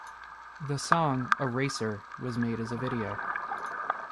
The song, "Eraser" was made as a video.